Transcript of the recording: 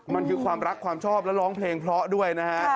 มันคือความรักความชอบและร้องเพลงเพราะด้วยนะฮะ